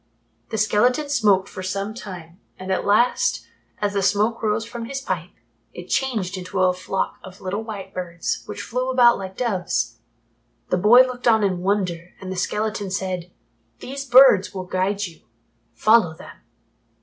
The skeleton smoked for some time and at last, as the smoke rose from his pipe, it changed to a flock of little white birds, which flew about like doves. The boy looked on in wonder, and the skeleton said, "These birds will guide you. Follow them."